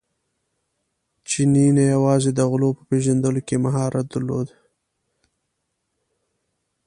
چیني نه یوازې د غلو په پېژندلو کې مهارت درلود.